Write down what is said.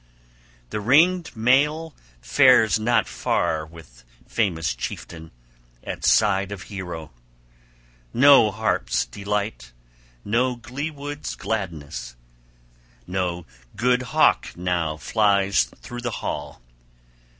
The ringed mail fares not far with famous chieftain, at side of hero! No harp's delight, no glee wood's gladness! No good hawk now flies through the hall!